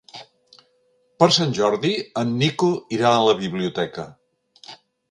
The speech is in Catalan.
Per Sant Jordi en Nico irà a la biblioteca.